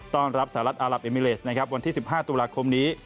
ต้อนรับสหรัฐอารับเอมิเลสนะครับวันที่๑๕ตุลาคมนี้